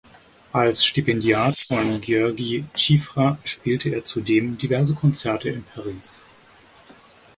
Als Stipendiat von György Cziffra spielte er zudem diverse Konzerte in Paris.